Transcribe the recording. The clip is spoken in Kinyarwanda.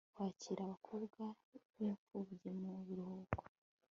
Kwakira abakobwa b imfubyi mu biruhuko